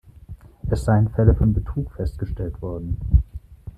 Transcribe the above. Es seien Fälle von Betrug festgestellt worden.